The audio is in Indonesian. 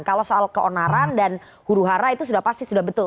kalau soal keonaran dan huru hara itu sudah pasti sudah betul